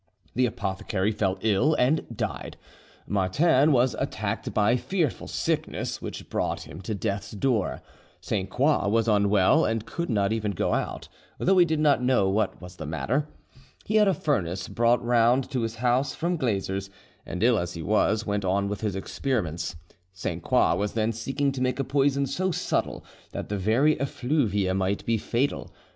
The apothecary fell ill and died; Martin was attacked by fearful sickness, which brought, him to death's door. Sainte Croix was unwell, and could not even go out, though he did not know what was the matter. He had a furnace brought round to his house from Glazer's, and ill as he was, went on with the experiments. Sainte Croix was then seeking to make a poison so subtle that the very effluvia might be fatal.